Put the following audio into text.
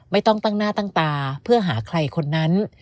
ไม่ต้องตั้งหน้าตั้งตาเพื่อหาใครคนนั้น